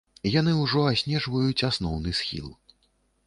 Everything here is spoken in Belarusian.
Яны ўжо аснежваюць асноўны схіл.